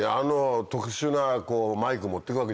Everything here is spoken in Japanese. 特殊なマイク持ってくわけじゃん。